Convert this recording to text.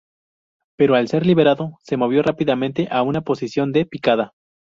Pero al ser liberado, se movió rápidamente a una posición de picada.